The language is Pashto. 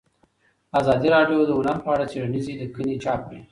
ازادي راډیو د هنر په اړه څېړنیزې لیکنې چاپ کړي.